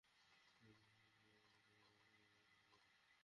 তার মধ্যে ছিল রুটি, মাছ ও স্যালারী শাক।